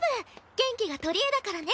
元気が取り柄だからね。